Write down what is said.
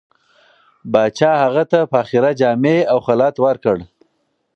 پاچا هغه ته فاخره جامې او خلعت ورکړ.